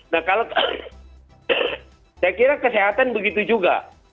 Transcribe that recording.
nah kalau saya kira kesehatan begitu juga